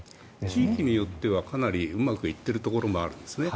地域によってはうまくいっているところもあるんです。